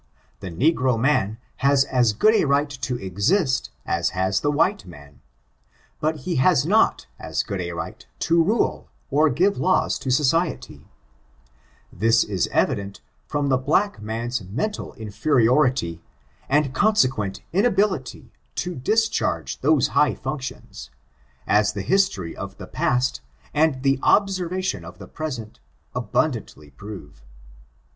The negro man has as good a right to exist as has the white man : but he has not as good a right to rule or give laws to society. This is evident from the black man's mental inferiority, and consequent tna bility to discharge those high functions, as the history ^^^^^^N^^^^^^^^v^^^ 414 ORIGIN, CHARACTER, AND of the past and the obseryation of the present, abund antly prove.